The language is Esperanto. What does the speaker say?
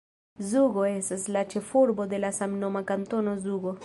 Zugo estas la ĉefurbo de la samnoma Kantono Zugo.